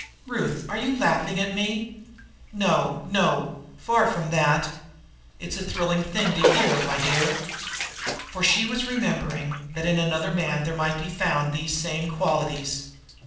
Ruth, are you laughing at me?" "No, no, far from that! It's a thrilling thing to hear, my dear." For she was remembering that in another man there might be found these same qualities.